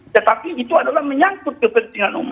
tetapi itu adalah menyangkut kepentingan umum